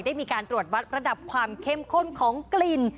ได้มีการตรวจวัดระดับความเข้มข้นของกลิ่น